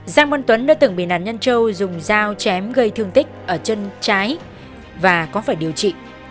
giang văn tuấn đã từng bị nạn nhân châu dùng dao chém gây thương tích ở chân trái và có phải điều trị